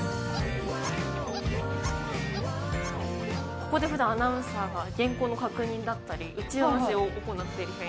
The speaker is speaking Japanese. ここで普段アナウンサーが原稿の確認だったり打ち合わせを行っている部屋。